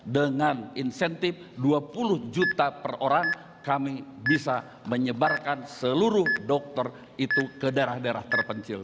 dengan insentif dua puluh juta per orang kami bisa menyebarkan seluruh dokter itu ke daerah daerah terpencil